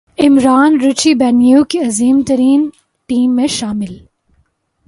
Imran Richie Benaud کی عظیم ترین ٹیم میں شامل